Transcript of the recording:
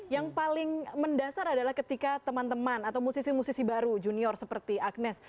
yang paling mendasar adalah ketika teman teman atau musisi musisi baru junior seperti agnes